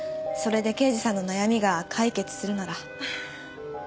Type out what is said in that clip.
それで刑事さんの悩みが解決するなら。